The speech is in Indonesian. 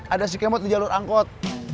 ada si kemot di jalur angkot